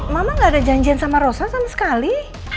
mama gak ada janjian sama rosa sama sekali